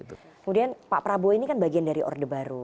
kemudian pak prabowo ini kan bagian dari orde baru